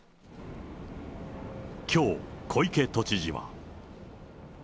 きょう、小池都知事は。